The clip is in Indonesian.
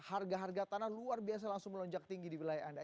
harga harga tanah luar biasa langsung melonjak tinggi di wilayah anda